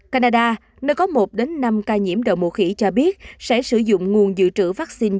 canada nơi có một năm ca nhiễm đậu mũ khỉ cho biết sẽ sử dụng nguồn dự trữ vaccine